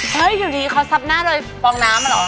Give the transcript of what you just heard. เฮ้ยอยู่ดีเขาซับหน้าเลยฟองน้ำมันเหรอ